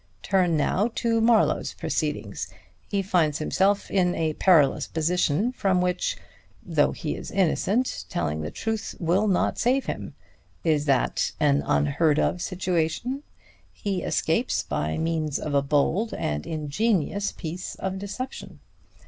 Turn now to Marlowe's proceedings. He finds himself in a perilous position from which, though he is innocent, telling the truth will not save him. Is that an unheard of situation? He escapes by means of a bold and ingenious piece of deception.